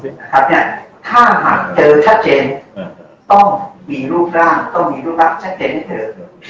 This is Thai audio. ถ้าหากเจอชัดเจนต้องมีรูปร่างต้องมีรูปร่างชัดเจนให้เธอ